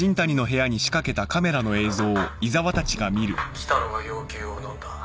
喜多野が要求をのんだ。